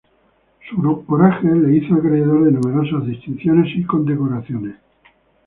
Su coraje lo hizo acreedor de numerosas distinciones y condecoraciones.